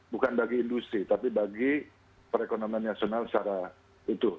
bukan bagi industri tapi bagi perekonomian nasional secara utuh